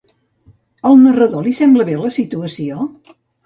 Al narrador li sembla bé la situació?